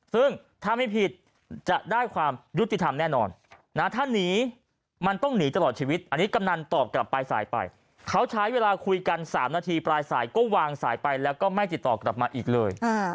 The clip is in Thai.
ซึ่งถ้าไม่ผิดจะได้ความยุติธรรมแน่นอนนะถ้าหนีมันต้องหนีตลอดชีวิตอันนี้กำนันตอบกลับปลายสายไปเขาใช้เวลาคุยกัน๓นาทีปลายสายก็วางสายไปแล้วก็ไม่ติดต่อกลับมาอีกเลย